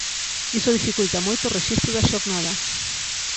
Iso dificulta moito o rexistro da xornada.